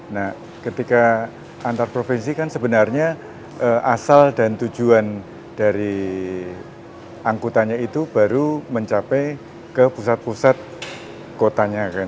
nah ketika antar provinsi kan sebenarnya asal dan tujuan dari angkutannya itu baru mencapai ke pusat pusat kotanya